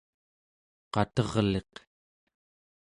qaterliq